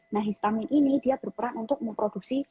nah vitamin ini dia berperan untuk memproduksi